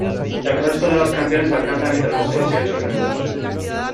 El resto de las canciones alcanzan entre los seis y ocho minutos.